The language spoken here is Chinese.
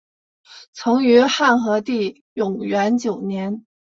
曾于汉和帝永元九年。